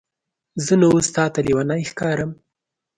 زه نو اوس تاته لیونی ښکارم؟